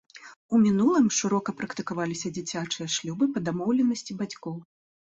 У мінулым шырока практыкаваліся дзіцячыя шлюбы па дамоўленасці бацькоў.